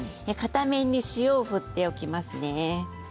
片面に塩を振っておきますね。